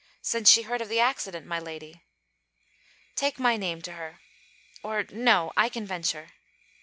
'Since she heard of the accident, my lady.' 'Take my name to her. Or no: I can venture.'